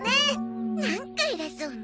なんか偉そうね。